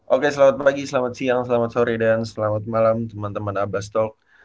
oke selamat pagi selamat siang selamat sore dan selamat malam teman teman abbastol